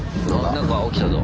何か起きたぞ。